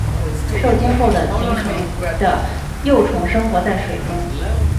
受精后的形成的幼虫生活在水中。